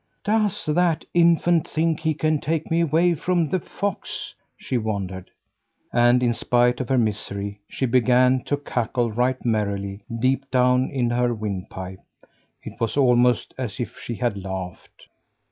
"Does that infant think he can take me away from the fox?" she wondered. And in spite of her misery, she began to cackle right merrily, deep down in her windpipe. It was almost as if she had laughed.